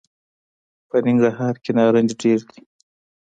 په ننګرهار کي نارنج ډېر دي .